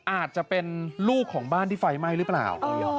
อาจจะเป็นลูกของบ้านที่ไฟไหม้หรือเปล่า